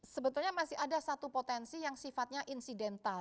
sebetulnya masih ada satu potensi yang sifatnya insidental